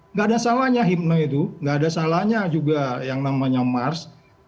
nggak ada salahnya hipno itu nggak ada salahnya juga yang namanya mars